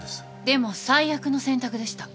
でも最悪の選択でした。